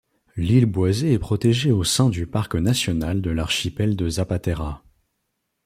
L'île boisée est protégée au sein du parc national de l'archipel de Zapatera.